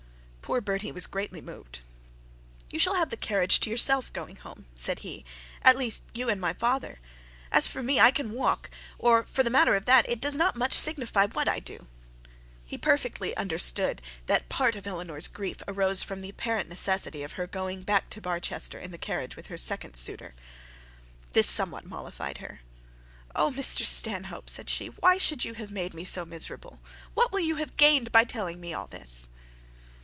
Poor Bertie was greatly moved. 'You shall have the carriage to yourself going home,' said he, 'at least you and my father. As for me I can walk, or for the matter of that it does not much signify what I do.' He perfectly understood that part of Eleanor's grief arose from the apparent necessity of going back to Barchester in the carriage of her second suitor. This somewhat mollified her. 'Oh, Mr Stanhope,' said she, 'why should you have made me so miserable? What will have gained by telling me all this?'